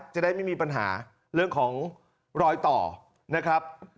จะได้ไม่มีปัญหาเรื่องของรอยต่อนะครับ